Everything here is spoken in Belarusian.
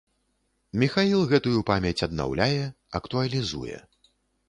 Міхаіл гэтую памяць аднаўляе, актуалізуе.